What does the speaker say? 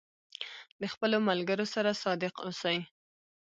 د خپلو ملګرو سره صادق اوسئ.